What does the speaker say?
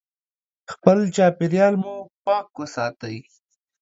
خپل چاپیریال مو پاک وساتئ.